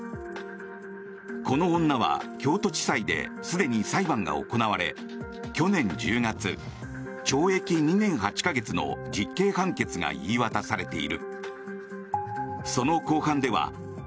この女は京都地裁ですでに裁判が行われ去年１０月、懲役２年８か月の実刑判決が言い渡されている。